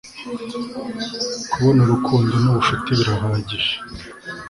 Kubona urukundo nubucuti birahagije